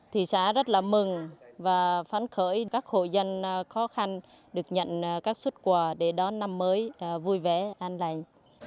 thị xã rất là mừng và phấn khởi các hộ dân khó khăn được nhận các xuất quà để đón năm mới vui vẻ an lành